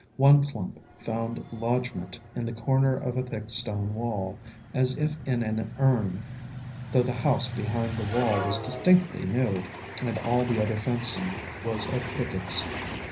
One clump found lodg ment in the corner of a thick stone wall, as if in an urn, though the house behind the wall was distinctly new, and all the other fencing was of pickets.